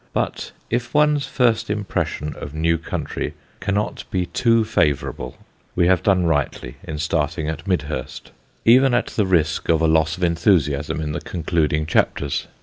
But if one's first impression of new country cannot be too favourable we have done rightly in starting at Midhurst, even at the risk of a loss of enthusiasm in the concluding chapters.